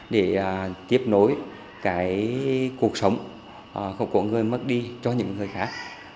để tiếp nối cái cuộc sống của người mất đi cho những người khác